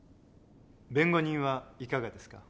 弁護人はいかがですか？